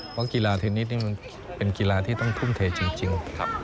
เพราะกีฬาเทนนิสนี่มันเป็นกีฬาที่ต้องทุ่มเทจริง